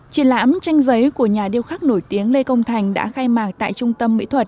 triển lãm tranh giấy của nhà điêu khắc nổi tiếng lê công thành đã khai mạc tại trung tâm mỹ thuật